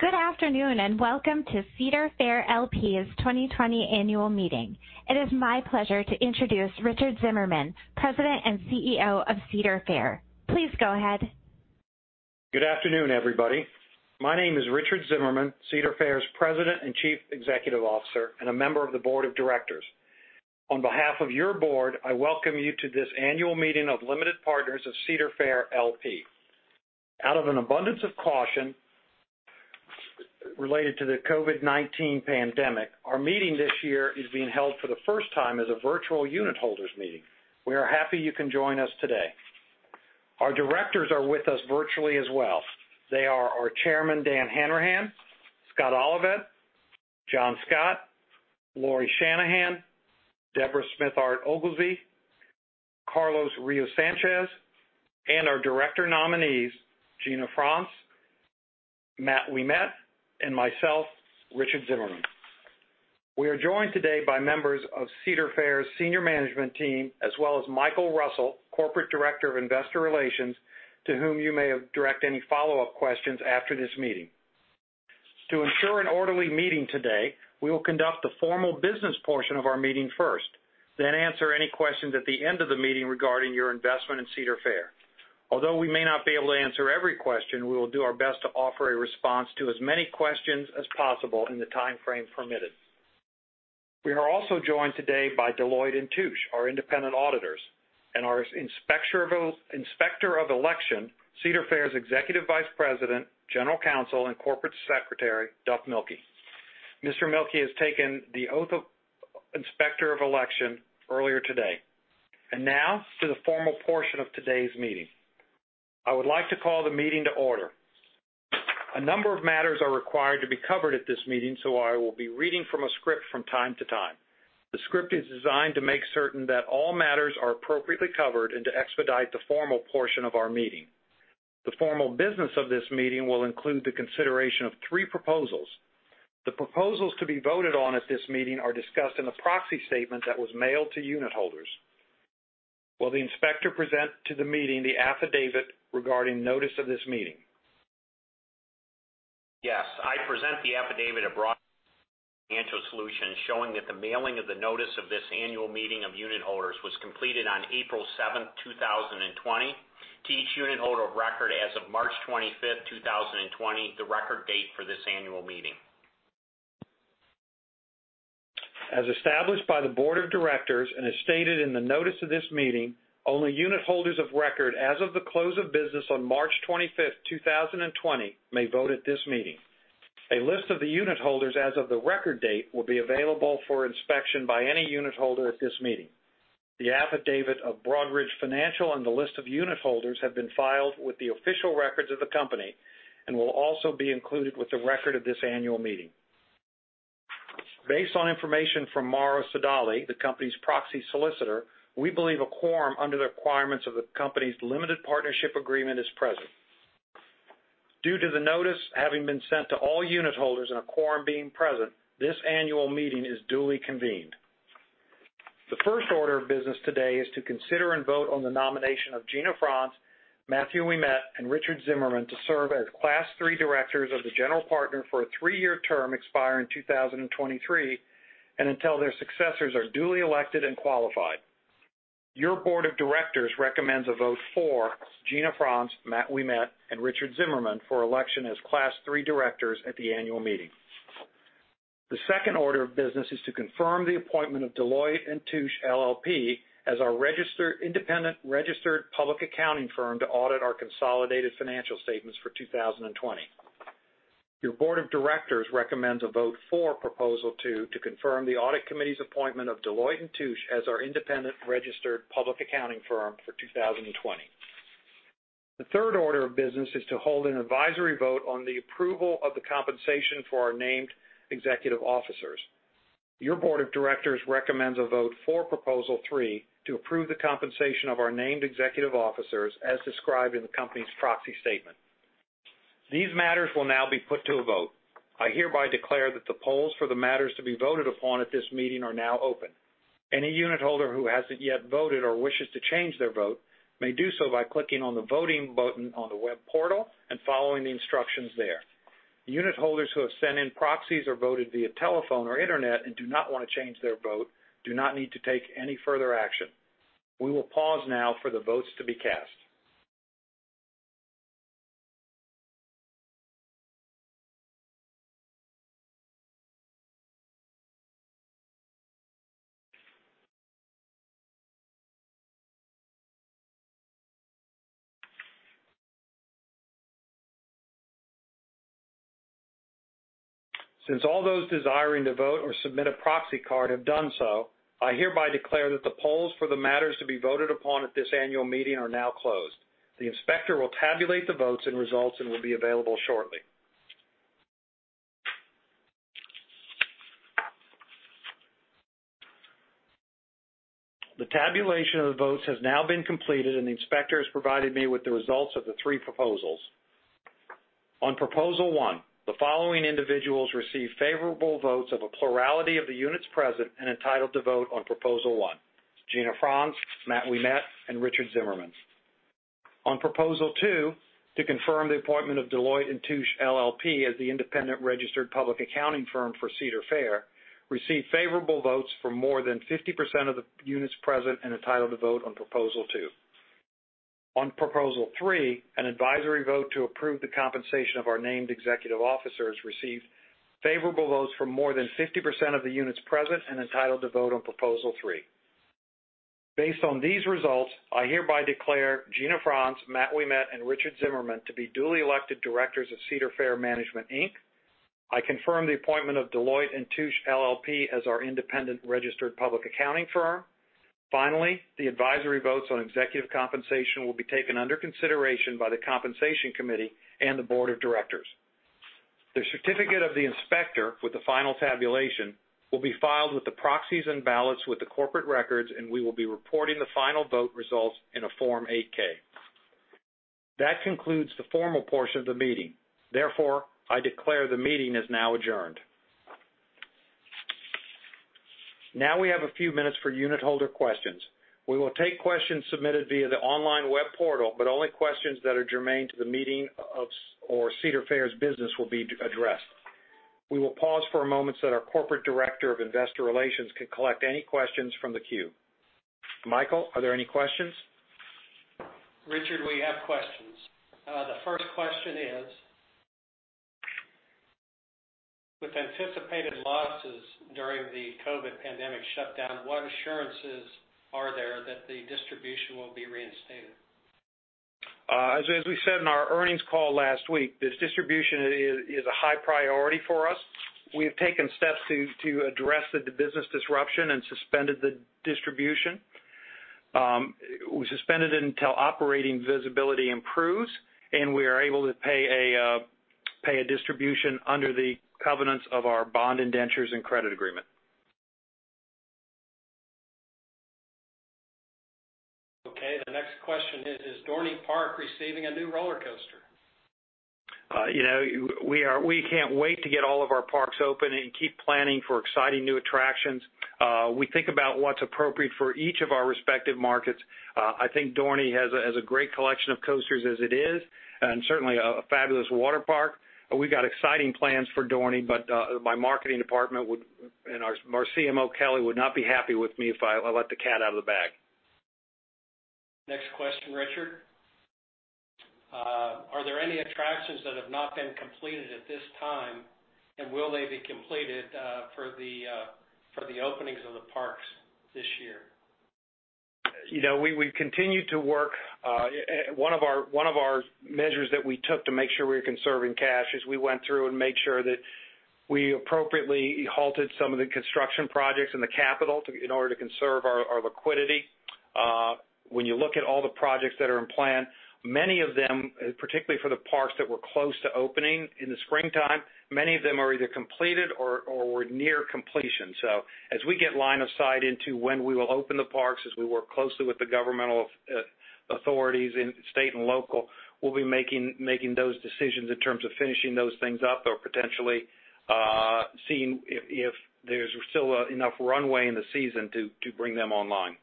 Good afternoon, and welcome to Cedar Fair, L.P.'s 2020 annual meeting. It is my pleasure to introduce Richard Zimmerman, President and CEO of Cedar Fair. Please go ahead. Good afternoon, everybody. My name is Richard Zimmerman, Cedar Fair's President and Chief Executive Officer, and a member of the Board of Directors. On behalf of your board, I welcome you to this annual meeting of limited partners of Cedar Fair L.P. Out of an abundance of caution related to the COVID-19 pandemic, our meeting this year is being held for the first time as a virtual unitholders meeting. We are happy you can join us today. Our directors are with us virtually as well. They are our chairman, Dan Hanrahan, Scott Olivet, John Scott, Lauri Shanahan, Debra Smithart-Oglesby, Carlos A. Riefkohl, and our director nominees, Gina France, Matt Ouimet, and myself, Richard Zimmerman. We are joined today by members of Cedar Fair's senior management team, as well as Michael Russell, Corporate Director of Investor Relations, to whom you may direct any follow-up questions after this meeting. To ensure an orderly meeting today, we will conduct the formal business portion of our meeting first, then answer any questions at the end of the meeting regarding your investment in Cedar Fair. Although we may not be able to answer every question, we will do our best to offer a response to as many questions as possible in the timeframe permitted. We are also joined today by Deloitte & Touche, our independent auditors, and our inspector of election, Cedar Fair's Executive Vice President, General Counsel, and Corporate Secretary, Duff Milkie. Mr. Milkie has taken the oath of inspector of election earlier today. And now to the formal portion of today's meeting. I would like to call the meeting to order. A number of matters are required to be covered at this meeting, so I will be reading from a script from time to time. The script is designed to make certain that all matters are appropriately covered and to expedite the formal portion of our meeting. The formal business of this meeting will include the consideration of three proposals. The proposals to be voted on at this meeting are discussed in a proxy statement that was mailed to unitholders. Will the inspector present to the meeting the affidavit regarding notice of this meeting? Yes, I present the Affidavit of Broadridge Financial Solutions, showing that the mailing of the notice of this annual meeting of unitholders was completed on April 7th, 2020, to each unitholder of record as of March 25th, 2020, the record date for this annual meeting. As established by the Board of Directors and as stated in the notice of this meeting, only unitholders of record as of the close of business on March 25th, 2020, may vote at this meeting. A list of the unitholders as of the record date will be available for inspection by any unitholder at this meeting. The Affidavit of Broadridge Financial and the list of unitholders have been filed with the official records of the company and will also be included with the record of this annual meeting. Based on information from Morrow Sodali, the company's proxy solicitor, we believe a quorum under the requirements of the company's limited partnership agreement is present. Due to the notice having been sent to all unitholders and a quorum being present, this annual meeting is duly convened. The first order of business today is to consider and vote on the nomination of Gina France, Matt Ouimet, and Richard Zimmerman to serve as Class III directors of the general partner for a three-year term expiring in 2023, and until their successors are duly elected and qualified. Your Board of Directors recommends a vote for Gina France, Matt Ouimet, and Richard Zimmerman for election as Class III directors at the annual meeting. The second order of business is to confirm the appointment of Deloitte & Touche LLP as our independent registered public accounting firm to audit our consolidated financial statements for 2020. Your Board of Directors recommends a vote for Proposal Two, to confirm the Audit Committee's appointment of Deloitte & Touche LLP as our independent registered public accounting firm for 2020. The third order of business is to hold an advisory vote on the approval of the compensation for our named executive officers. Your Board of Directors recommends a vote for Proposal Three to approve the compensation of our named executive officers as described in the company's proxy statement. These matters will now be put to a vote. I hereby declare that the polls for the matters to be voted upon at this meeting are now open. Any unitholder who hasn't yet voted or wishes to change their vote may do so by clicking on the voting button on the web portal and following the instructions there. Unitholders who have sent in proxies or voted via telephone or internet and do not want to change their vote do not need to take any further action. We will pause now for the votes to be cast. Since all those desiring to vote or submit a proxy card have done so, I hereby declare that the polls for the matters to be voted upon at this annual meeting are now closed. The inspector will tabulate the votes and results and will be available shortly. The tabulation of the votes has now been completed, and the inspector has provided me with the results of the three proposals. On Proposal One, the following individuals received favorable votes of a plurality of the units present and entitled to vote on Proposal One: Gina France, Matt Ouimet, and Richard Zimmerman. On Proposal Two, to confirm the appointment of Deloitte & Touche LLP as the independent registered public accounting firm for Cedar Fair, received favorable votes for more than 50% of the units present and entitled to vote on Proposal Two. On Proposal Three, an advisory vote to approve the compensation of our named executive officers received favorable votes for more than 50% of the units present and entitled to vote on Proposal Three. Based on these results, I hereby declare Gina France, Matt Ouimet, and Richard Zimmerman to be duly elected directors of Cedar Fair Management, Inc. I confirm the appointment of Deloitte & Touche LLP as our independent registered public accounting firm. Finally, the advisory votes on executive compensation will be taken under consideration by the Compensation Committee and the Board of Directors. The certificate of the inspector with the final tabulation will be filed with the proxies and ballots with the corporate records, and we will be reporting the final vote results in a Form 8-K. That concludes the formal portion of the meeting. Therefore, I declare the meeting is now adjourned. Now, we have a few minutes for unitholder questions. We will take questions submitted via the online web portal, but only questions that are germane to the meeting or Cedar Fair's business will be addressed. We will pause for a moment so that our Corporate Director of Investor Relations can collect any questions from the queue. Michael, are there any questions? Richard, we have questions. The first question is: "With anticipated losses during the COVID pandemic shutdown, what assurances are there that the distribution will be reinstated? As we said in our earnings call last week, this distribution is a high priority for us. We have taken steps to address the business disruption and suspended the distribution. We suspended it until operating visibility improves, and we are able to pay a distribution under the covenants of our bond indentures and credit agreement. Okay, the next question is: "Is Dorney Park receiving a new roller coaster? You know, we can't wait to get all of our parks open and keep planning for exciting new attractions. We think about what's appropriate for each of our respective markets. I think Dorney has a great collection of coasters as it is, and certainly a fabulous waterpark. But we've got exciting plans for Dorney, but my marketing department would, and our CMO, Kelley, would not be happy with me if I let the cat out of the bag. Next question, Richard. "Are there any attractions that have not been completed at this time, and will they be completed for the openings of the parks this year? You know, we've continued to work. One of our measures that we took to make sure we were conserving cash is we went through and made sure that we appropriately halted some of the construction projects in the capital in order to conserve our liquidity. When you look at all the projects that are in plan, many of them, particularly for the parks that were close to opening in the springtime, many of them are either completed or were near completion. So as we get line of sight into when we will open the parks, as we work closely with the governmental authorities in state and local, we'll be making those decisions in terms of finishing those things up or potentially seeing if there's still enough runway in the season to bring them online.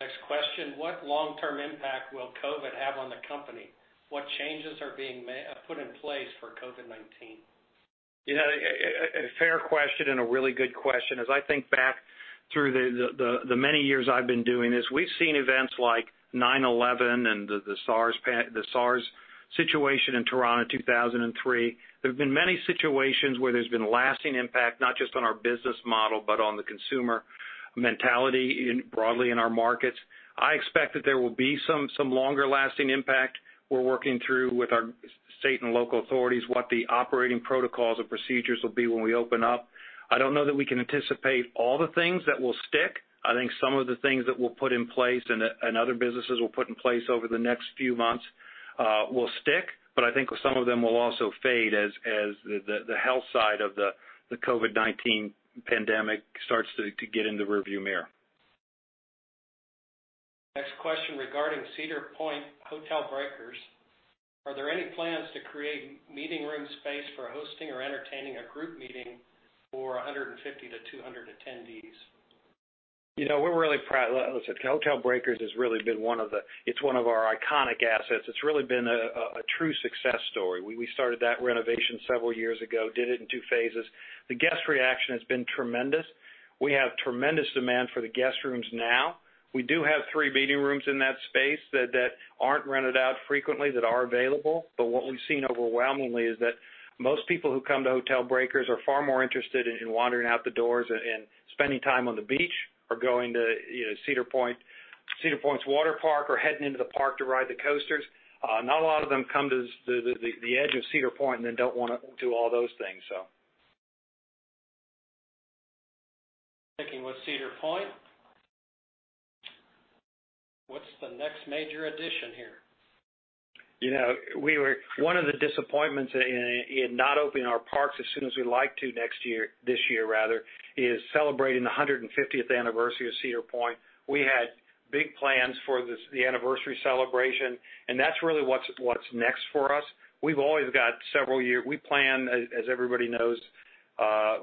Next question: "What long-term impact will COVID have on the company? What changes are being put in place for COVID-19? You know, a fair question and a really good question. As I think back through the many years I've been doing this, we've seen events like 9/11 and the SARS situation in Toronto, 2003. There have been many situations where there's been lasting impact, not just on our business model, but on the consumer mentality in, broadly in our markets. I expect that there will be some longer-lasting impact. We're working through with our state and local authorities, what the operating protocols and procedures will be when we open up. I don't know that we can anticipate all the things that will stick. I think some of the things that we'll put in place and other businesses will put in place over the next few months will stick, but I think some of them will also fade as the health side of the COVID-19 pandemic starts to get in the rearview mirror. Next question: "Regarding Cedar Point Hotel Breakers, are there any plans to create meeting room space for hosting or entertaining a group meeting for one hundred and fifty to two hundred attendees? You know, we're really proud. Listen, Hotel Breakers has really been one of the... It's one of our iconic assets. It's really been a true success story. We started that renovation several years ago, did it in two phases. The guest reaction has been tremendous. We have tremendous demand for the guest rooms now. We do have three meeting rooms in that space that aren't rented out frequently, that are available. But what we've seen overwhelmingly is that most people who come to Hotel Breakers are far more interested in wandering out the doors and spending time on the beach or going to, you know, Cedar Point, Cedar Point's waterpark, or heading into the park to ride the coasters. Not a lot of them come to the edge of Cedar Point and then don't wanna do all those things, so. Sticking with Cedar Point, "What's the next major addition here? You know, we were one of the disappointments in, in not opening our parks as soon as we'd like to next year, this year rather, is celebrating the one hundred and fiftieth anniversary of Cedar Point. We had big plans for this, the anniversary celebration, and that's really what's next for us. We've always got, we plan, as everybody knows,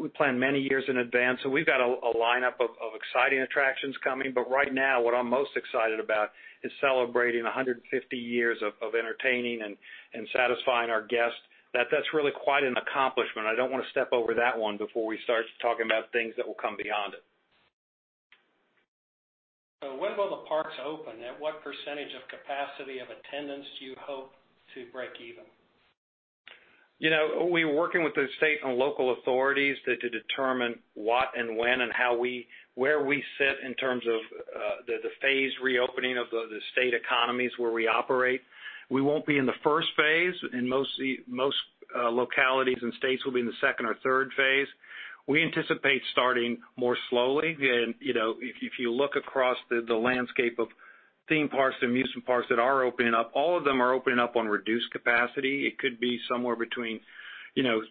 we plan many years in advance, so we've got a lineup of exciting attractions coming. But right now, what I'm most excited about is celebrating one hundred and fifty years of entertaining and satisfying our guests. That's really quite an accomplishment. I don't wanna step over that one before we start talking about things that will come beyond it. So when will the parks open? At what percentage of capacity of attendance do you hope to break even? You know, we're working with the state and local authorities to determine what and when, and how we where we sit in terms of the phase reopening of the state economies where we operate. We won't be in the first phase, in most localities and states we'll be in the second or third phase. We anticipate starting more slowly. And, you know, if you look across the landscape of theme parks and amusement parks that are opening up, all of them are opening up on reduced capacity. It could be somewhere between, you know,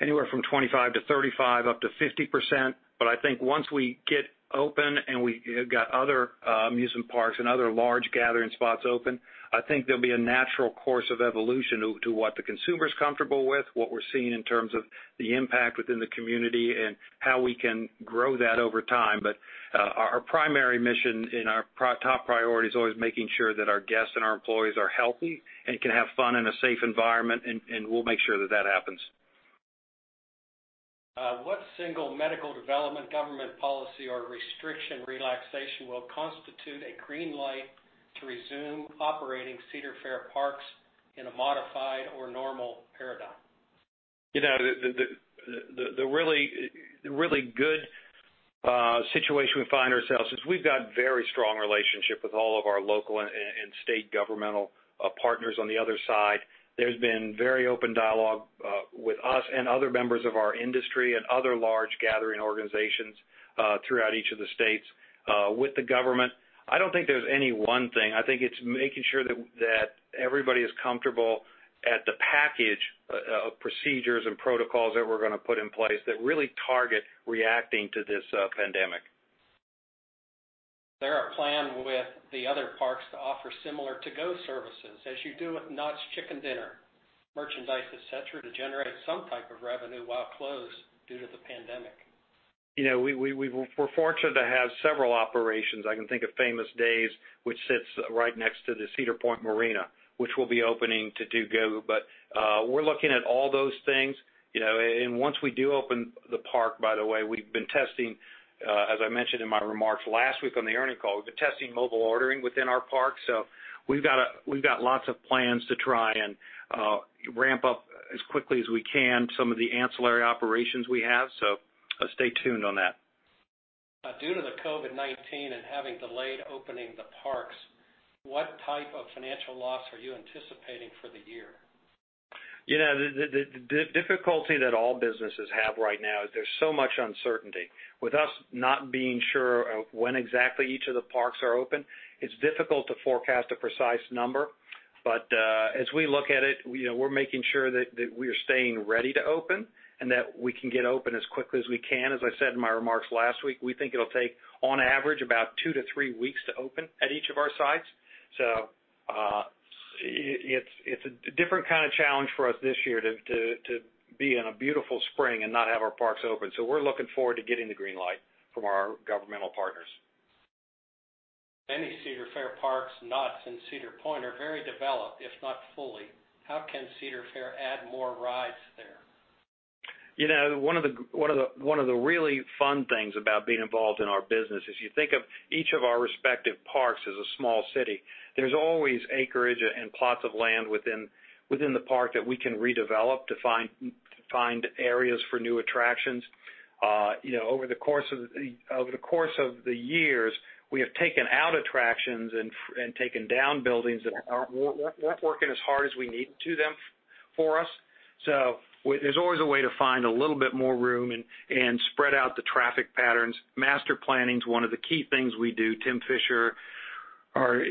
anywhere from 25%-35%, up to 50%. But I think once we get open and we got other amusement parks and other large gathering spots open, I think there'll be a natural course of evolution to what the consumer's comfortable with, what we're seeing in terms of the impact within the community, and how we can grow that over time. But our primary mission and our top priority is always making sure that our guests and our employees are healthy and can have fun in a safe environment, and we'll make sure that that happens. What single medical development, government policy, or restriction relaxation will constitute a green light to resume operating Cedar Fair parks in a modified or normal paradigm? You know, the really good situation we find ourselves is we've got very strong relationship with all of our local and state governmental partners on the other side. There's been very open dialogue with us and other members of our industry and other large gathering organizations throughout each of the states with the government. I don't think there's any one thing. I think it's making sure that everybody is comfortable at the package of procedures and protocols that we're gonna put in place that really target reacting to this pandemic. Is there a plan with the other parks to offer similar to-go services as you do with Knott's Chicken Dinner, merchandise, et cetera, to generate some type of revenue while closed due to the pandemic? You know, we're fortunate to have several operations. I can think of Famous Dave's, which sits right next to the Cedar Point Marina, which we'll be opening to-go, but we're looking at all those things, you know, and once we do open the park, by the way, we've been testing, as I mentioned in my remarks last week on the earnings call, we've been testing mobile ordering within our parks. So we've got lots of plans to try and ramp up as quickly as we can, some of the ancillary operations we have, so stay tuned on that. Due to the COVID-19 and having delayed opening the parks, what type of financial loss are you anticipating for the year? You know, the difficulty that all businesses have right now is there's so much uncertainty. With us not being sure of when exactly each of the parks are open, it's difficult to forecast a precise number. But, as we look at it, you know, we're making sure that we are staying ready to open, and that we can get open as quickly as we can. As I said in my remarks last week, we think it'll take, on average, about two to three weeks to open at each of our sites. So, it's a different kind of challenge for us this year to be in a beautiful spring and not have our parks open. So we're looking forward to getting the green light from our governmental partners. Many Cedar Fair parks, Knott's and Cedar Point, are very developed, if not fully. How can Cedar Fair add more rides there? You know, one of the really fun things about being involved in our business is you think of each of our respective parks as a small city. There's always acreage and plots of land within the park that we can redevelop to find areas for new attractions. You know, over the course of the years, we have taken out attractions and taken down buildings that weren't working as hard as we need to them for us. So there's always a way to find a little bit more room and spread out the traffic patterns. Master planning's one of the key things we do. Tim Fisher, our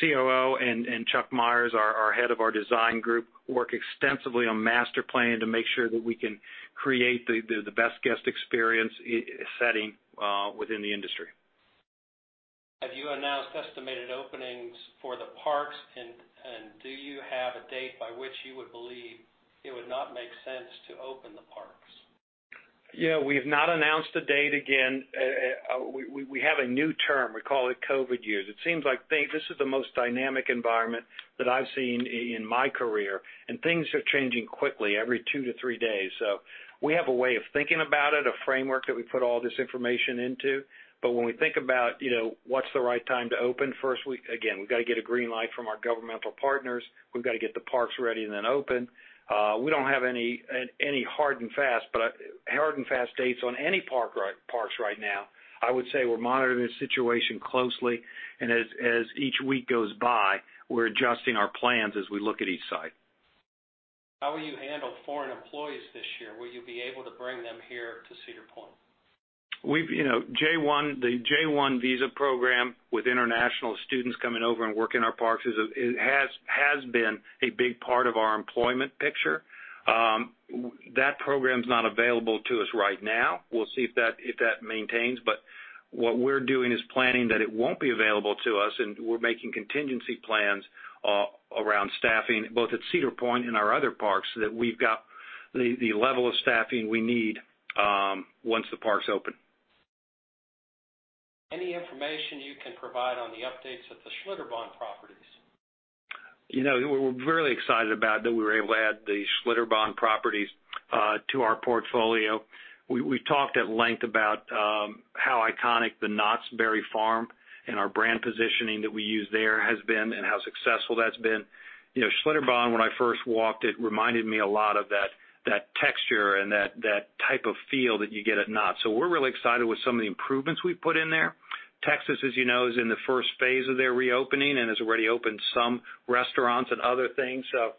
COO, and Chuck Myers, our head of our design group, work extensively on master planning to make sure that we can create the best guest experience, setting within the industry. Have you announced estimated openings for the parks, and, and do you have a date by which you would believe it would not make sense to open the parks? Yeah, we've not announced a date. Again, we have a new term, we call it COVID years. It seems like this is the most dynamic environment that I've seen in my career, and things are changing quickly every two to three days. So we have a way of thinking about it, a framework that we put all this information into. But when we think about, you know, what's the right time to open, first, again, we've gotta get a green light from our governmental partners. We've gotta get the parks ready and then open. We don't have any hard and fast dates on any parks right now. I would say we're monitoring the situation closely, and as each week goes by, we're adjusting our plans as we look at each site. How will you handle foreign employees this year? Will you be able to bring them here to Cedar Point? We've, you know, J-1, the J-1 visa program with international students coming over and working in our parks has been a big part of our employment picture. That program's not available to us right now. We'll see if that maintains. But what we're doing is planning that it won't be available to us, and we're making contingency plans around staffing, both at Cedar Point and our other parks, that we've got the level of staffing we need once the parks open. Any information you can provide on the updates of the Schlitterbahn properties? You know, we're really excited about that we were able to add the Schlitterbahn properties to our portfolio. We talked at length about how iconic the Knott's Berry Farm and our brand positioning that we use there has been and how successful that's been. You know, Schlitterbahn, when I first walked, it reminded me a lot of that texture and that type of feel that you get at Knott's. So we're really excited with some of the improvements we've put in there. Texas, as you know, is in the first phase of their reopening and has already opened some restaurants and other things. So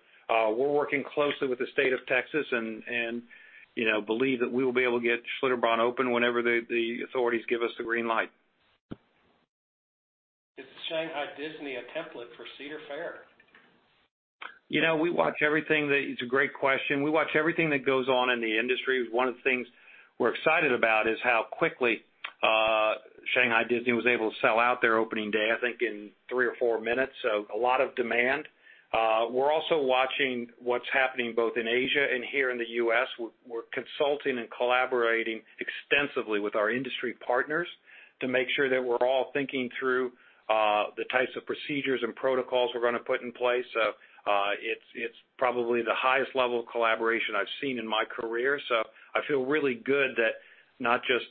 we're working closely with the state of Texas and you know, believe that we will be able to get Schlitterbahn open whenever the authorities give us the green light. Is the Shanghai Disney a template for Cedar Fair? You know, it's a great question. We watch everything that goes on in the industry. One of the things we're excited about is how quickly Shanghai Disney was able to sell out their opening day, I think, in three or four minutes, so a lot of demand. We're also watching what's happening both in Asia and here in the U.S. We're consulting and collaborating extensively with our industry partners to make sure that we're all thinking through the types of procedures and protocols we're gonna put in place. So, it's probably the highest level of collaboration I've seen in my career. So I feel really good that not just,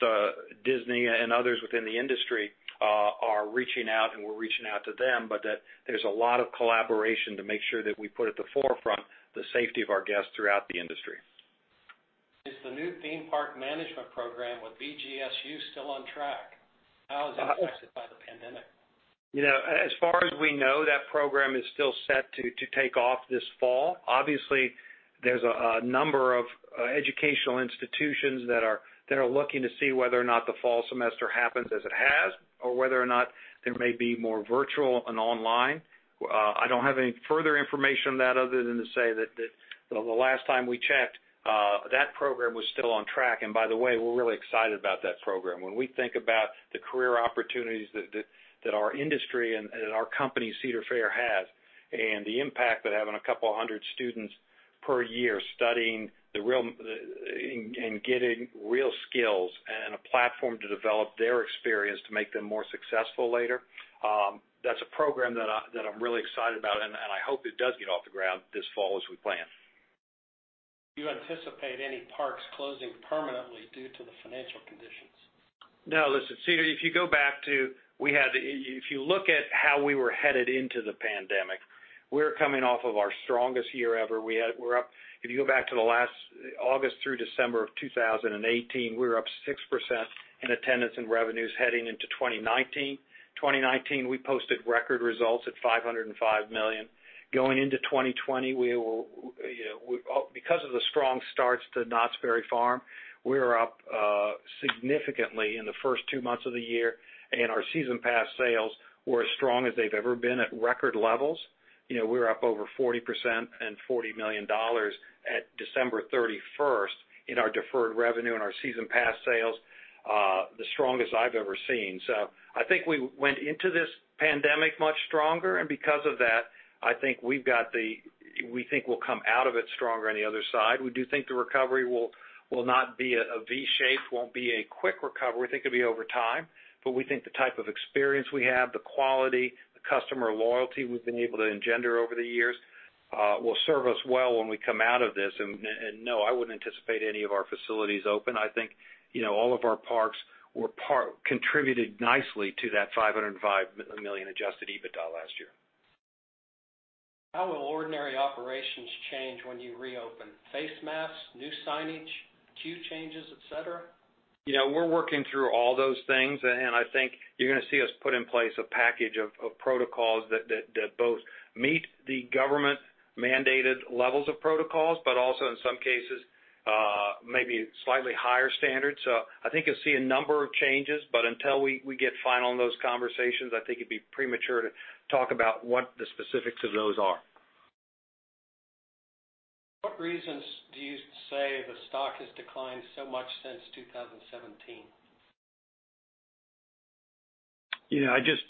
Disney and others within the industry, are reaching out, and we're reaching out to them, but that there's a lot of collaboration to make sure that we put at the forefront the safety of our guests throughout the industry. Is the new theme park management program with BGSU still on track? How is it affected by the pandemic? You know, as far as we know, that program is still set to take off this fall. Obviously, there's a number of educational institutions that are looking to see whether or not the fall semester happens as it has, or whether or not there may be more virtual and online. I don't have any further information on that other than to say that the last time we checked, that program was still on track. And by the way, we're really excited about that program. When we think about the career opportunities that our industry and our company, Cedar Fair, has, and the impact that having a couple of hundred students per year studying the real and getting real skills and a platform to develop their experience to make them more successful later, that's a program that I'm really excited about, and I hope it does get off the ground this fall as we plan. Do you anticipate any parks closing permanently due to the financial conditions? No. Listen, Cedar, if you go back to if you look at how we were headed into the pandemic, we're coming off of our strongest year ever. We're up. If you go back to the last August through December of 2018, we were up 6% in attendance and revenues heading into twenty nineteen. Twenty nineteen, we posted record results at $505 million. Going into 2020, we will, you know, because of the strong starts to Knott's Berry Farm, we were up significantly in the first two months of the year, and our season pass sales were as strong as they've ever been at record levels. You know, we were up over 40% and $40 million at December thirty-first in our deferred revenue and our season pass sales, the strongest I've ever seen. So I think we went into this pandemic much stronger, and because of that, I think we've got the-- we think we'll come out of it stronger on the other side. We do think the recovery will not be a V shape, won't be a quick recovery. We think it'll be over time, but we think the type of experience we have, the quality, the customer loyalty we've been able to engender over the years, will serve us well when we come out of this. And no, I wouldn't anticipate any of our facilities open. I think, you know, all of our parks contributed nicely to that $505 million adjusted EBITDA last year. How will ordinary operations change when you reopen face masks, new signage, queue changes, et cetera? You know, we're working through all those things, and I think you're gonna see us put in place a package of protocols that both meet the government-mandated levels of protocols, but also in some cases, maybe slightly higher standards. So I think you'll see a number of changes, but until we get final on those conversations, I think it'd be premature to talk about what the specifics of those are. What reasons do you say the stock has declined so much since 2017? You know, I just,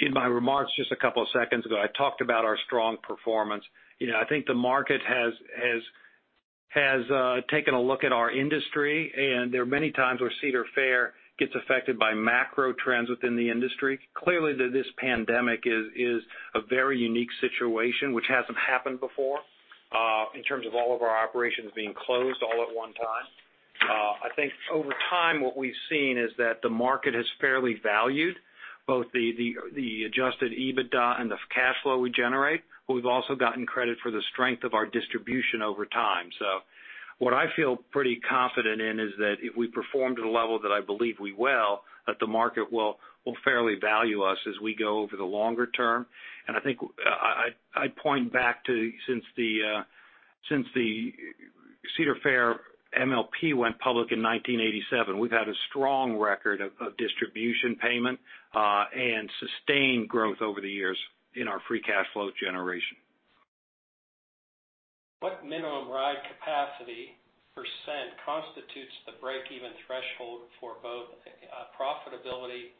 in my remarks just a couple of seconds ago, I talked about our strong performance. You know, I think the market has taken a look at our industry, and there are many times where Cedar Fair gets affected by macro trends within the industry. Clearly, this pandemic is a very unique situation, which hasn't happened before, in terms of all of our operations being closed all at one time. I think over time, what we've seen is that the market has fairly valued both the Adjusted EBITDA and the cash flow we generate, but we've also gotten credit for the strength of our distribution over time. So what I feel pretty confident in is that if we perform to the level that I believe we will, that the market will fairly value us as we go over the longer term. And I think I'd point back to since the Cedar Fair MLP went public in 1987, we've had a strong record of distribution payment, and sustained growth over the years in our free cash flow generation. ... What minimum ride capacity percent constitutes the break-even threshold for both profitability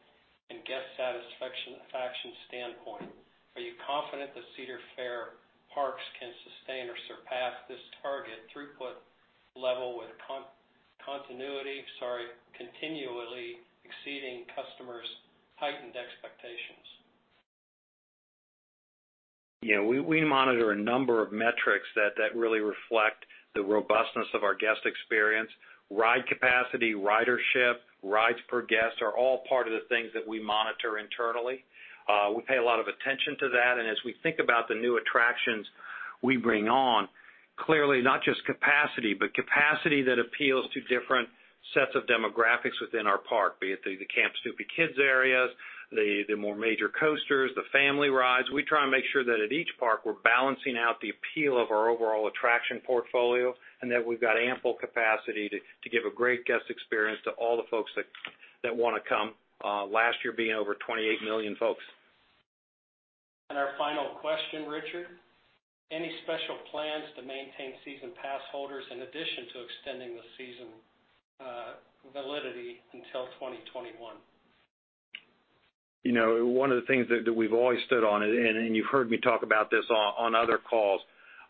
and guest satisfaction faction standpoint? Are you confident that Cedar Fair parks can sustain or surpass this target throughput level with continuity, sorry, continually exceeding customers' heightened expectations? Yeah, we monitor a number of metrics that really reflect the robustness of our guest experience. Ride capacity, ridership, rides per guest, are all part of the things that we monitor internally. We pay a lot of attention to that, and as we think about the new attractions we bring on, clearly, not just capacity, but capacity that appeals to different sets of demographics within our park, be it the Camp Snoopy kids areas, the more major coasters, the family rides. We try and make sure that at each park, we're balancing out the appeal of our overall attraction portfolio, and that we've got ample capacity to give a great guest experience to all the folks that wanna come, last year being over 28 million folks. And our final question, Richard: Any special plans to maintain season pass holders in addition to extending the season validity until 2021? You know, one of the things that we've always stood on, and you've heard me talk about this on other calls.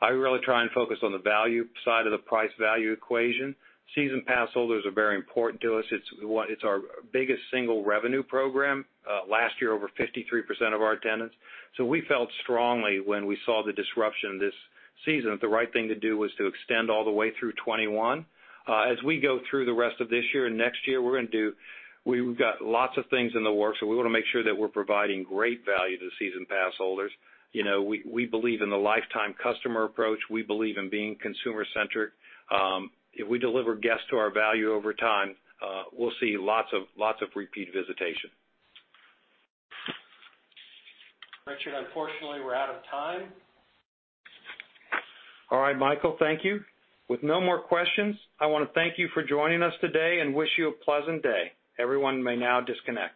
I really try and focus on the value side of the price-value equation. Season pass holders are very important to us. It's our biggest single revenue program, last year, over 53% of our attendance. So we felt strongly when we saw the disruption this season, that the right thing to do was to extend all the way through 2021. As we go through the rest of this year and next year, we're gonna do. We've got lots of things in the works, so we wanna make sure that we're providing great value to season pass holders. You know, we believe in the lifetime customer approach. We believe in being consumer-centric. If we deliver guests to our value over time, we'll see lots of repeat visitation. Richard, unfortunately, we're out of time. All right, Michael, thank you. With no more questions, I wanna thank you for joining us today and wish you a pleasant day. Everyone may now disconnect.